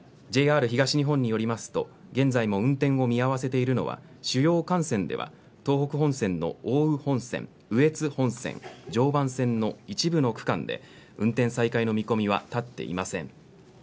ＪＲ東日本によりますと現在も運転を見合わせているのは主要幹線では東北本線の奥羽本線羽越本線、常磐線の一部の区間で運転再開の見込みは立っていません。